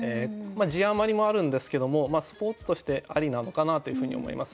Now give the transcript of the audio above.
字余りもあるんですけどもスポーツとしてありなのかなというふうに思います。